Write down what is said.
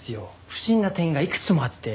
不審な点がいくつもあって。